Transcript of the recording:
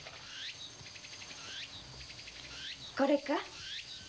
これか？